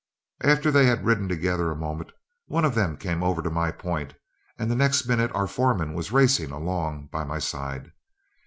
After they had ridden together a moment, one of them came over to my point, and the next minute our foreman was racing along by my side.